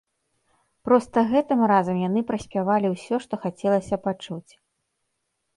Проста гэтым разам яны праспявалі ўсё, што хацелася пачуць.